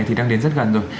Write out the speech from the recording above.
thì đang đến rất gần rồi